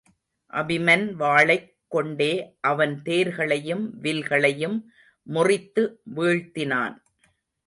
அபிமன் வாளைக் கொண்டே அவன் தேர்களையும் வில் களையும் முறித்து வீழ்த்தினான்.